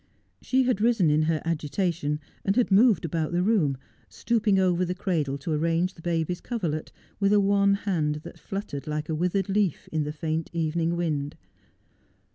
She had risen in her agitation and had moved about the room, stooping over the cradle to arrange the baby's coverlet, with a wan hand that fluttered like a withered leaf in the faint evening wind.